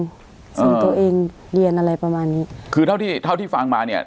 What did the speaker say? ส่งตัวเองเรียนอะไรประมาณนี้คือเท่าที่เท่าที่ฟังมาเนี่ย